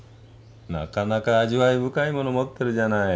なかなか味わい深いもの持ってるじゃない。